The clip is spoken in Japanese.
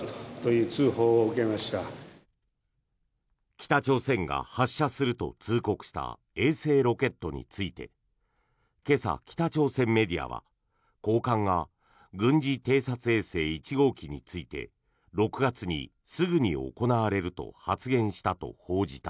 北朝鮮が発射すると通告した衛星ロケットについて今朝、北朝鮮メディアは高官が軍事偵察衛星１号機について６月にすぐに行われると発言したと報じた。